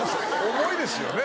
重いですよね。